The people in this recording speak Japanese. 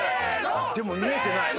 でも見えてない。